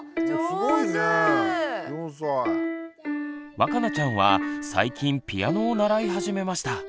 わかなちゃんは最近ピアノを習い始めました。